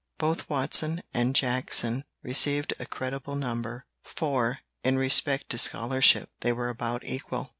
Both Watson and Jackson received a creditable number; for, in respect to scholarship, they were about equal.